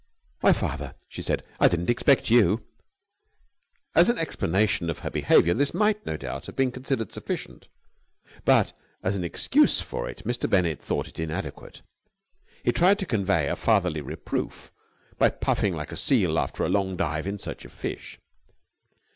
"Why, father," she said, "I didn't expect you!" As an explanation of her behaviour this might, no doubt, have been considered sufficient, but as an excuse for it Mr. Bennett thought it inadequate. He tried to convey a fatherly reproof by puffing like a seal after a long dive in search of fish.